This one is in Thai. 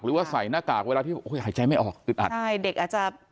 หรือว่าใส่หน้ากากเวลาที่หายใจไม่ออกอึดอัดใช่เด็กอาจจะ